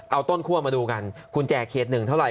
เอาต้นคั่วมาดูกันคุณแจกเขตหนึ่งเท่าไห